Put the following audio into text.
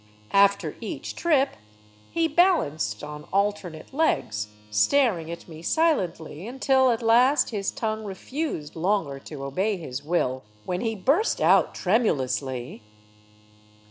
After each trip he balanced on alternate legs, staring at me silently, until at last his tongue refused longer to obey his will, when he burst out tremulously